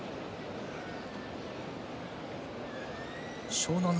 湘南乃